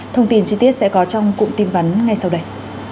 thông tin chi tiết sẽ có trong cụm tin vắn ngay sau đây